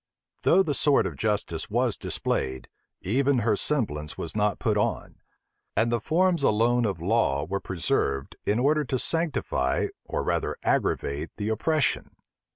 Though the sword of justice was displayed, even her semblance was not put on; and the forms alone of law were preserved, in order to sanctify, or rather aggravate, the oppression.